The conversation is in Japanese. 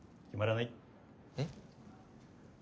えっ？